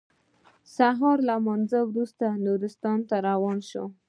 سهار له لمانځه وروسته نورستان ته روان شوم.